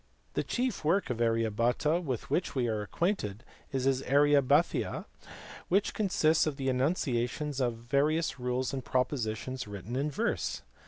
The chief work of Arya Bhata with which we are acquainted is his Aryabhathiya which consists of the enunciations of various rules and pro positions written in verse.